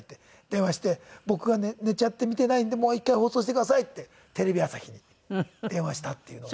電話して「僕が寝ちゃって見ていないんでもう一回放送してください」ってテレビ朝日に電話したっていうのが。